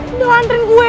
udah anterin gue